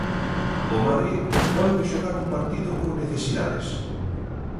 O Madrid volve xogar un partido con necesidades.